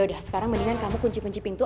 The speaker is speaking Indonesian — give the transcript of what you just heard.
udah sekarang mendingan kamu kunci kunci pintu